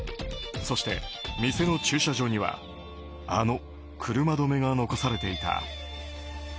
そして、店の駐車場にはあの車止めが残されていた。